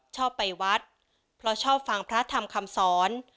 ชอบไปวัดเพราะชอบฟังพระธรรมคำสอน